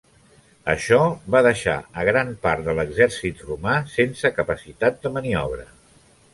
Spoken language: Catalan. Això va deixar a gran part de l'exèrcit romà sense capacitat de maniobra.